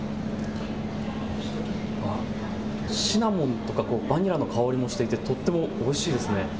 シナモンとかバニラの香りもしてとってもおいしいですね。